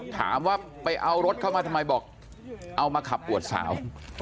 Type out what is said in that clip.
ถามว่าไปเอารถเข้ามาทำไมบอกเอามาขับอวดสาว